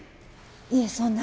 いえそんな。